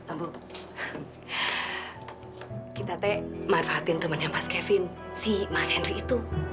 aduh kita teh manfaatin temennya mas kevin si mas henry itu